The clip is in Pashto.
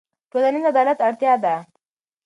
ټولنیز عدالت اړتیا ده.